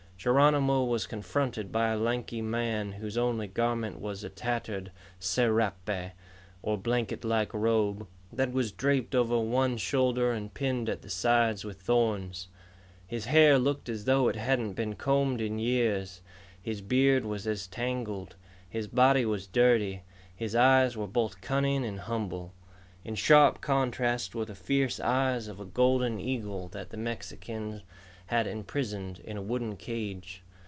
Geronimo was confronted by a lanky man whose only garment was a tattered serape, or blanket like robe, that was draped over one shoulder and pinned at the sides with thorns. His hair looked as though it hadn't been combed in years, his beard was as tangled. His body was dirty. His eyes were both cunning and humble. In sharp contrast were the fierce eyes of a golden eagle that the Mexican had imprisoned in a wooden cage.